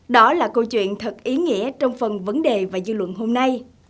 đó là câu chuyện thật ý nghĩa trong phần vấn đề và dư luận hôm nay